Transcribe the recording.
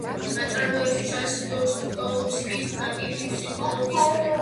ნაწარმოებში ჩანს დოსტოევსკის ნატიფი ფსიქოლოგიზმი.